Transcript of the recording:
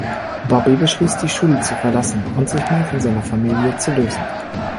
Bobby beschließt die Schule zu verlassen und sich mehr von seiner Familie zu lösen.